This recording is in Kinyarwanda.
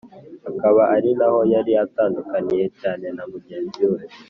Akaba ari naho yari atandukaniye cyane na mugenzi we.